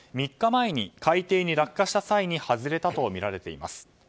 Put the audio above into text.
３日前に海底に落下した際に外れたとみられています。